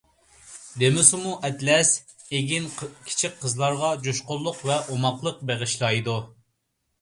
دېمىسىمۇ، ئەتلەس ئېگىن كىچىك قىزلارغا جۇشقۇنلۇق ۋە ئوماقلىق بېغىشلايدۇ.